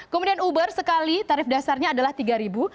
kemudian uber sekali tarif dasarnya adalah rp tiga